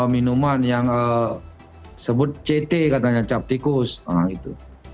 minuman yang sebut ct katanya capticus nah itu